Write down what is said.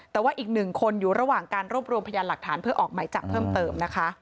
แต่ว่าอีกหนึ่งคนอยู่ระหว่างการรวบรวมพยานหลักฐานเพื่อออกหมายจับเพิ่มเติมนะคะ